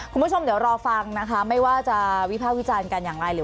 คุณผู้ชมเดี๋ยวรอฟังนะคะไม่ว่าจะวิภาควิจารณ์กันอย่างไรหรือ